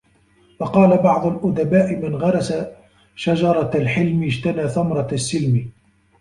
وَقَالَ بَعْضُ الْأُدَبَاءِ مَنْ غَرَسَ شَجَرَةَ الْحِلْمِ اجْتَنَى ثَمَرَةَ السِّلْمِ